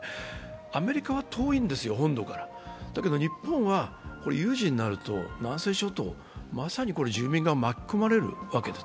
アメリカは遠いんですよ、本土からだけど日本は有事になると南西諸島、まさに住民が巻き込まれるわけです。